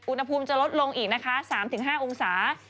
อุณหภูมิจะลดลงอีกนะคะ๓๕องศา